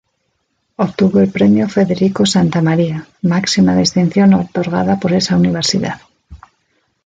Obtuvo el premio Federico Santa Maria, máxima distinción otorgada por esa Universidad.